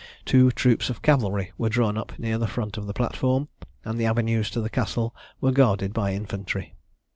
Two troops of cavalry were drawn up near the front of the platform, and the avenues to the Castle were guarded by infantry.